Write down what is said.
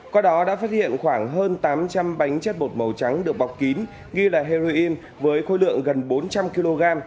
qua đó đã phát hiện khoảng hơn tám trăm linh bánh chất bột màu trắng được bọc kín ghi là heroin với khối lượng gần bốn trăm linh kg